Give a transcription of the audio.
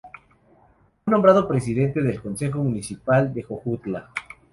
Fue nombrado presidente del Consejo Municipal de Jojutla.